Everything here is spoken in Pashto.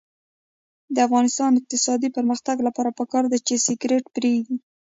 د افغانستان د اقتصادي پرمختګ لپاره پکار ده چې سګرټ پریږدو.